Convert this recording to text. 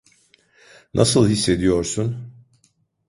Nasıl hissediyorsun?